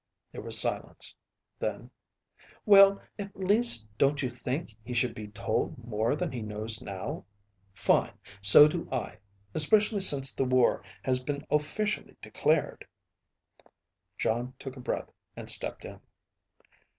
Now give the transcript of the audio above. There was silence. Then: "Well, at least don't you think he should be told more than he knows now? Fine. So do I, especially since the war has been officially declared." Jon took a breath and stepped in.